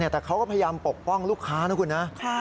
แต่เขาก็พยายามปกป้องลูกค้านะคุณนะ